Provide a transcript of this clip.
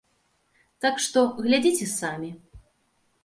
Так што, глядзіце самі.